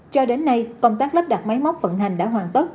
cho đến nay công tác lắp đặt máy móc vận hành đã hoàn tất